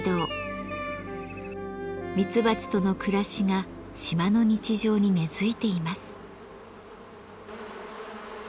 ミツバチとの暮らしが島の日常に根づいています。